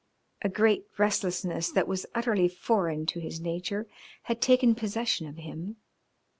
A great restlessness that was utterly foreign to his nature had taken possession of him.